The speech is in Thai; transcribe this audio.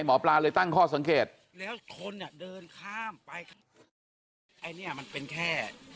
หมอปลาเลยตั้งข้อสังเกตแล้วคนอ่ะเดินข้ามไปข้างไอ้เนี้ยมันเป็นแค่